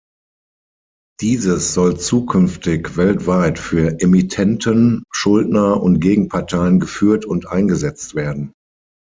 Dieses soll zukünftig weltweit für Emittenten, Schuldner und Gegenparteien geführt und eingesetzt werden.